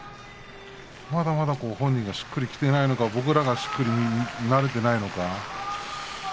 まだまだ僕らがしっくりきていないのかまだまだ本人がしっくりきていないのか